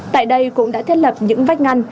tại đây cũng đã thiết lập những vách ngăn